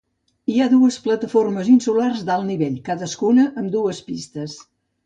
Hi ha dues plataformes insulars d'alt nivell, cadascuna amb dues pistes.